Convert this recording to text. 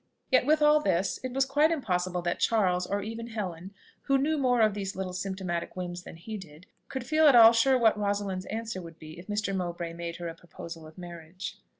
Yet, with all this, it was quite impossible that Charles, or even Helen, who knew more of these little symptomatic whims than he did, could feel at all sure what Rosalind's answer would be if Mr. Mowbray made her a proposal of marriage.